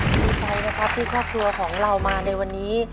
ดีใจนะครับที่ครอบครัวของเรามาในวันนี้